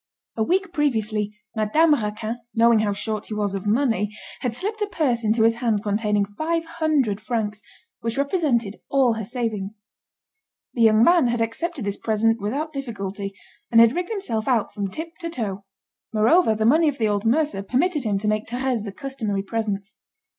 A week previously, Madame Raquin, knowing how short he was of money, had slipped a purse into his hand containing 500 francs, which represented all her savings. The young man had accepted this present without difficulty, and had rigged himself out from tip to toe. Moreover, the money of the old mercer permitted him to make Thérèse the customary presents.